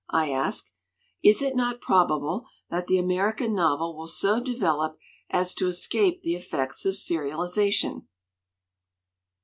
I asked. "Is it not probable that the American novel will so develop as to escape the effects of serialization?"